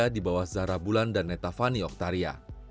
di bawah zahra bulan dan netavani oktaria